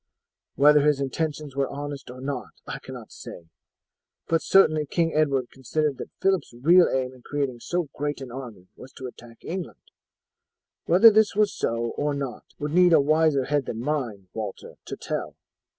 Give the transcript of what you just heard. Whether his intentions were honest or not I cannot say, but certainly King Edward considered that Phillip's real aim in creating so great an army was to attack England. Whether this was so or not would need a wiser head than mine, Walter, to tell.